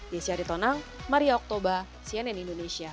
desyari tonang maria oktober cnn indonesia